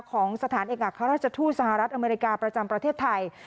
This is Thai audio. ของสถานเอกอัครราชทูตสหรัฐอเมริกาประจำประเทศไทย